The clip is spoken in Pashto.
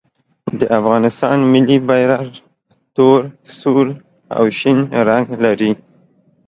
د افغانستان ملي بیرغ تور، سور او شین رنګ لري.